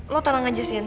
lo tenang aja sin